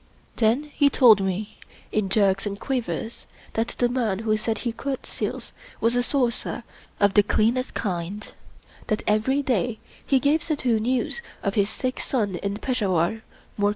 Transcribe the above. Then he told me, in jerks and quavers, that the man who said he cut seals was a sorcerer of the cleanest kind; that every day he gave Suddhoo news of his sick son in Peshawar more